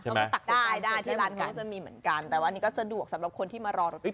ใช่ไหมได้ที่ร้านก็จะมีเหมือนกันแต่ว่านี่ก็สะดวกสำหรับคนที่มารอรถไฟ